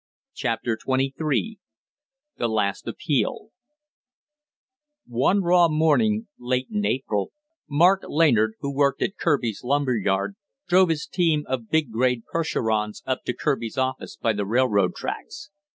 CHAPTER TWENTY THREE THE LAST APPEAL One raw morning late in April, Mark Leanard, who worked at Kirby's lumber yard, drove his team of big grade Percherons up to Kirby's office by the railroad tracks.